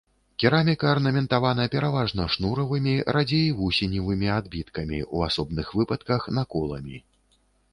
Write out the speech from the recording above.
Кераміка арнаментавана пераважна шнуравымі, радзей вусеневымі адбіткамі, у асобных выпадках наколамі.